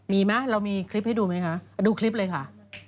มีไหมเรามีคลิปให้ดูไหมคะดูคลิปเลยค่ะ